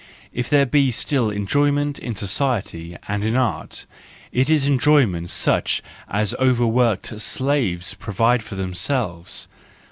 If there be still enjoyment in society and in art, it is enjoyment such as over worked slaves provide for themselves.